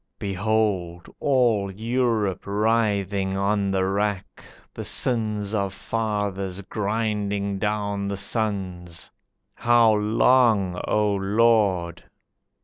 Behold all Europe writhing on the rack, The sins of fathers grinding down the sons! How long, O Lord?"